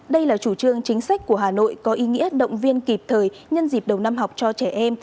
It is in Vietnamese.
đây là chủ trương chính sách của hà nội có ý nghĩa động viên kịp thời nhân dịp đầu năm học cho trẻ em